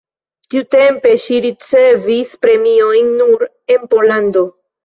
Tiutempe ŝi ricevis premiojn nur en Pollando.